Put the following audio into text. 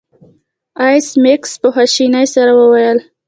ایس میکس په خوشبینۍ سره وویل